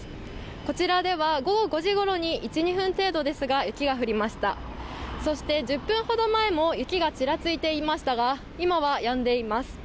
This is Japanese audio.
こちらでは午後５時ごろに１２分程度ですが雪が降りました、そして１０分ほど前も雪がちらついていましたが、今はやんでいます。